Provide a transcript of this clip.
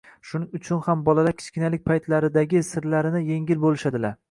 shuning uchun ham bolalar kichkinalik paytlaridagi sirlarini yengil bo‘lishadilar